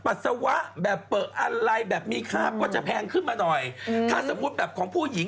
พุ่ยหญิงก็อีกราคาหนึ่ง